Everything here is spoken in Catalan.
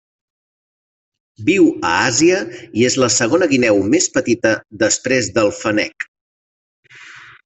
Viu a Àsia i és la segona guineu més petita després del fennec.